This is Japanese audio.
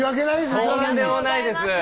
とんでもないです。